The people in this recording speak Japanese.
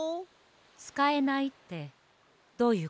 つかえないってどういうこと？